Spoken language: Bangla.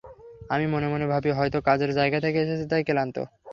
আমি মনে মনে ভাবি হয়তো কাজের জায়গা থেকে এসেছে তাই ক্লান্ত।